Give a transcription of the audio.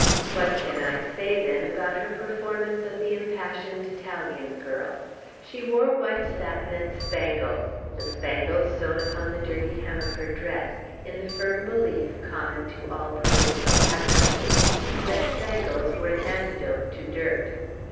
What can I say, then, about her performance of the impassioned Italian girl? She wore white satin and spangles, the spangles sewn upon the dirty hem of her dress, in the firm belief, common to all provincial actresses, that spangles are an antidote to dirt.